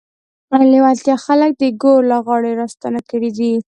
لېوالتیا خلک د ګور له غاړې راستانه کړي دي.